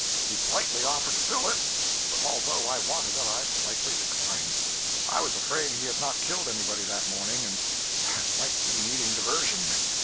He politely offered to fill it, but although I wanted it, I politely declined. I was afraid he had not killed anybody that morning, and might be needing diversion.